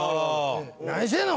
「何してんの？